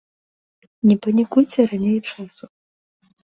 Не панікуйце раней часу.